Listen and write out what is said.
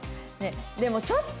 でもちょっと。